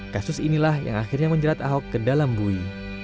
kasus inilah yang akhirnya menjerat ahok ke dalam bui